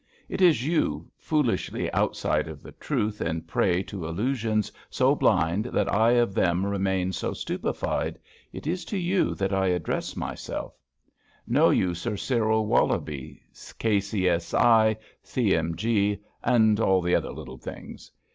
It is you, foolishly outside of the truth in prey to illusions so blind that I of them remain so stupefied — ^it is to you that 1 address myself I Know you Sir Cyril Wollobie, K.C.S.I., C.M.G., and all the other little things?